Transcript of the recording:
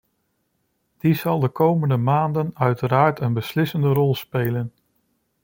Die zal de komende maanden uiteraard een beslissende rol spelen.